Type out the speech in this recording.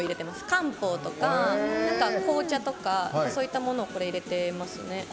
漢方とか紅茶とかそういったものを入れてますね。